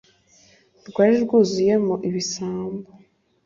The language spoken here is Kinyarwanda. Rwari rwuzuyemo ibisambo